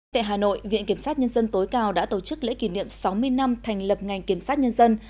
tại hà nội viện kiểm sát nhân dân tối cao đã tổ chức lễ kỷ niệm sáu mươi năm thành lập ngành kiểm sát nhân dân